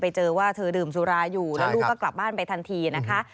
ไปเจอว่าเธอดื่มสุราอยู่แล้วลูกก็กลับบ้านไปทันทีนะคะ